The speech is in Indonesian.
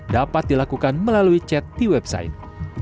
dapat dilakukan melalui chat di website